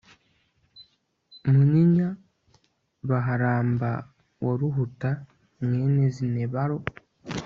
munyinya baharamba wa ruhuta mwene zinebaro